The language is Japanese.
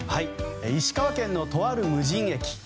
石川県のとある無人駅